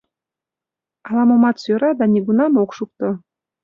Ала-момат сӧра да нигунам ок шукто.